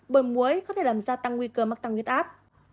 bởi muối có thể làm gia tăng nguy cơ mắc tăng huyết áp